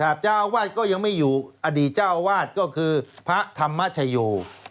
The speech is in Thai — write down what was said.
เจ้าอาวาสก็ยังไม่อยู่อดีตเจ้าวาดก็คือพระธรรมชโย